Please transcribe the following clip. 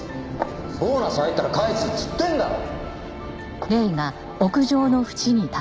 ボーナス入ったら返すっつってんだろ！